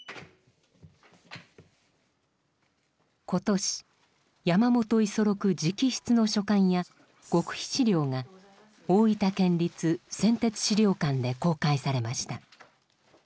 今年山本五十六直筆の書簡や極秘資料が大分県立先哲史料館で公開されました。